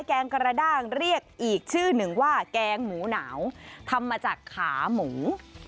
แกงกระด้างเรียกอีกชื่อหนึ่งว่าแกงหมูหนาวทำมาจากขาหมู